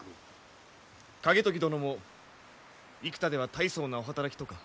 景時殿も生田では大層なお働きとか。